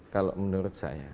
kalau menurut saya